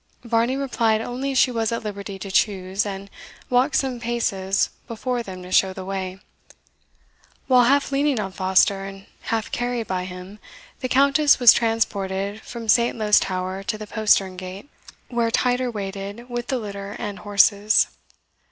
Varney replied only she was at liberty to choose, and walked some paces before them to show the way; while, half leaning on Foster, and half carried by him, the Countess was transported from Saintlowe's Tower to the postern gate, where Tider waited with the litter and horses.